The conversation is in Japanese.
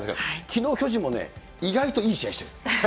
きのう、巨人も意外といい試合してる。